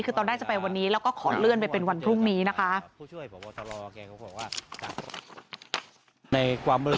คือตอนแรกจะไปวันนี้แล้วก็ขอเลื่อนไปเป็นวันพรุ่งนี้นะคะ